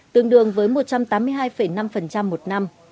tương đương với một trăm tám mươi hai năm một năm